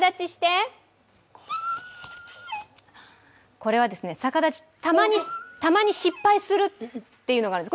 これは、さかだちたまに失敗するっていうのがあるんです。